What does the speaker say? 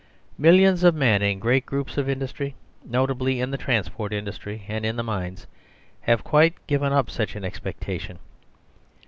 Millions of men in great groups of industry, notably in the transport industry and in the mines, have quite given up such an expectation.